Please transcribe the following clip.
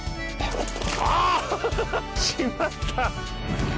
あ、しまった！